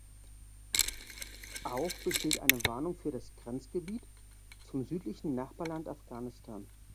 Auch besteht eine Warnung für das Grenzgebiet zum südlichen Nachbarland Afghanistan.